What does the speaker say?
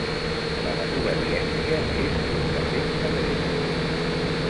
La desobediència és un defecte greu.